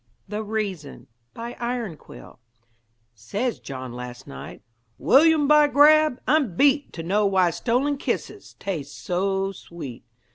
THE REASON BY IRONQUILL Says John last night: "William, by grab! I'm beat To know why stolen kisses Taste so sweet."